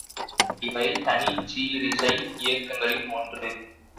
இவை தனிச்சீரிசை இயக்கங்களின் ஒன்று.